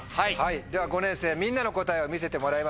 では５年生みんなの答えを見せてもらいましょう。